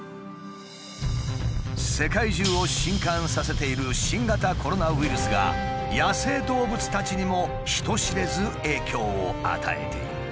世界中を震撼させている新型コロナウイルスが野生動物たちにも人知れず影響を与えている。